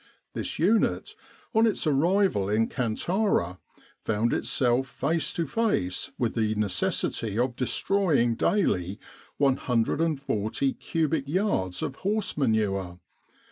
This unit, on its arrival in Kantara, found itself face to face with the necessity of destroying daily 140 cubic yards of horse manure.